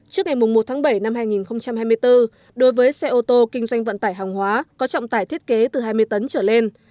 trước ngày một tháng bảy năm hai nghìn hai mươi bốn đối với xe ô tô kinh doanh vận tải hàng hóa có trọng tải thiết kế từ hai mươi tấn trở lên